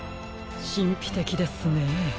しんぴてきですね。